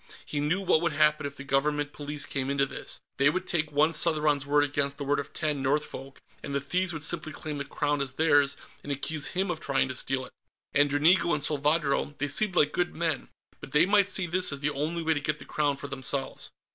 He knew what would happen if the Government Police came into this. They would take one Southron's word against the word of ten Northfolk, and the thieves would simply claim the Crown as theirs and accuse him of trying to steal it. And Dranigo and Salvadro they seemed like good men, but they might see this as the only way to get the Crown for themselves....